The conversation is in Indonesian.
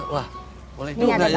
wah boleh juga ya